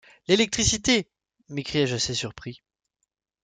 L’électricité ! m’écriai-je assez surpris.